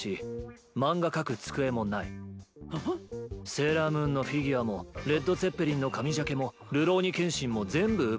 「セーラームーン」のフィギュアも「レッド・ツェッペリン」の紙ジャケも「るろうに剣心」も全部売っ払っちまった。